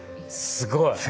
すごい。